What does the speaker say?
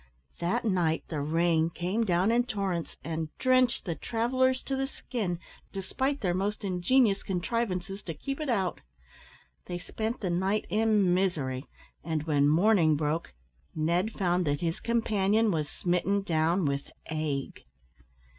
That night the rain came down in torrents, and drenched the travellers to the skin, despite their most ingenious contrivances to keep it out. They spent the night in misery, and when morning broke Ned found that his companion was smitten down with ague.